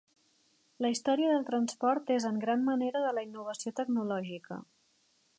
La història del transport és en gran manera de la innovació tecnològica.